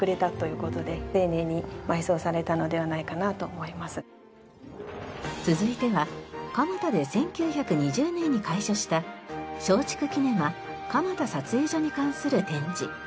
そうですね続いては蒲田で１９２０年に開所した松竹キネマ蒲田撮影所に関する展示。